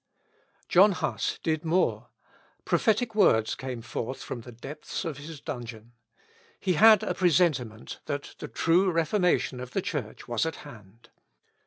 John Huss did more; prophetic words came forth from the depth of his dungeon. He had a presentiment, that the true Reformation of the Church was at hand.